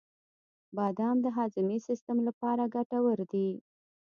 • بادام د هاضمې سیسټم لپاره ګټور دي.